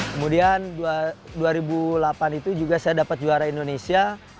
kemudian dua ribu delapan itu juga saya dapat juara indonesia